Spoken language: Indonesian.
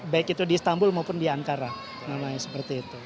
baik itu di istanbul maupun di ankara namanya seperti itu